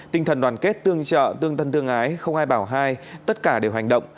tinh thần đoàn kết tương trợ tương thân tương ái không ai bảo hai tất cả đều hành động